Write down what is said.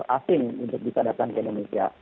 asing untuk bisa datang ke indonesia